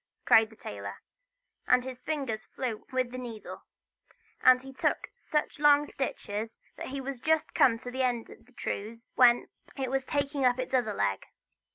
cried the tailor; and his fingers flew with the needle, and he took such long stitches, that he was just come to the end of the trews, when it was taking up its other leg.